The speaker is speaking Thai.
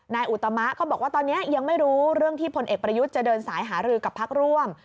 อุตมะก็บอกว่าตอนนี้ยังไม่รู้เรื่องที่พลเอกประยุทธ์จะเดินสายหารือกับพักร่วม